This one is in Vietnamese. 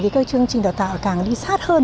thì các chương trình đào tạo càng đi sát hơn